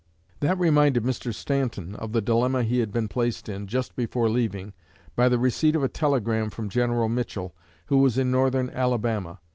That reminded Mr. Stanton of the dilemma he had been placed in, just before leaving, by the receipt of a telegram from General Mitchell, who was in Northern Alabama.